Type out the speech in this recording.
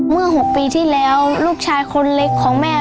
๖ปีที่แล้วลูกชายคนเล็กของแม่